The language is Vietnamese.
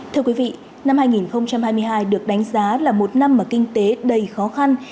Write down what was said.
thưa quý vị năm hai nghìn hai mươi hai được đánh giá là một năm mà kinh tế đầy khó khăn